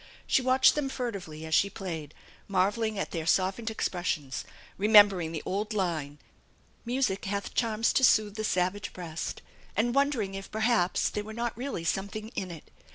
She watcLad them furtively as she played, marvelling at their softened ex pressions, remembering the old line: "Music hath charms to soothe the savage breast," and wondering if perhaps there were not really something in it.